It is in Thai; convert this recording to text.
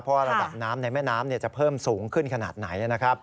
ว่าระดับน้ำในแม่น้ำจะเพิ่มสูงขึ้นขนาดไหนนะครับ